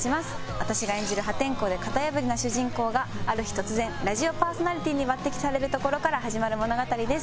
私が演じる破天荒で型破りな主人公がある日突然ラジオパーソナリティーに抜擢されるところから始まる物語です。